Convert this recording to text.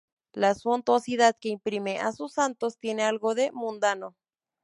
La suntuosidad que imprime a sus santos tiene algo de mundano.